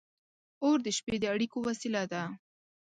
• اور د شپې د اړیکو وسیله وه.